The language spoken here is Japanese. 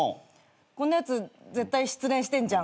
こんなやつ絶対失恋してんじゃん。